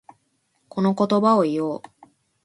この言葉を言おう。